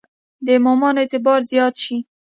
د امامانو اعتبار زیات شي.